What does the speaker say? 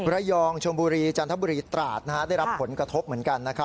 ระยองชมบุรีจันทบุรีตราดได้รับผลกระทบเหมือนกันนะครับ